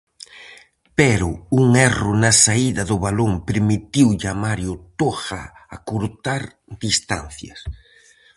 Pero un erro na saída do balón permitiulle a Mario Toja acurtar distancias.